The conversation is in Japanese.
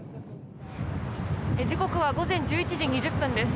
時刻は午前１１時２０分です。